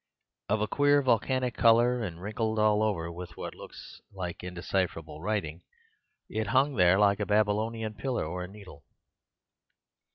Of a queer volcanic colour, and wrinkled all over with what looks undecipherable writing, it hung there like a Babylonian pillar or needle.